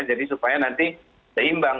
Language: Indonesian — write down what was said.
jadi supaya nanti seimbang